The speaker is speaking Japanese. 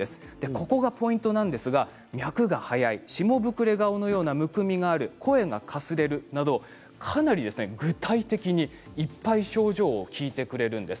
そこがポイントなんですが脈が速い、しもぶくれ顔のようなむくみがある、声がかすれるなどかなり具体的にいっぱい症状を聞いてくれるんです。